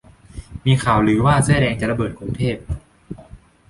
มีข่าวลือว่าเสื้อแดงจะระเบิดกรุงเทพ